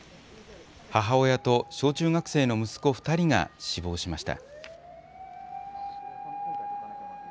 母親と小中学生の息子２人が死亡しました。